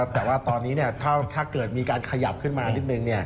แต่ว่าตอนนี้ถ้าเกิดมีการขยับขึ้นมานิดนึง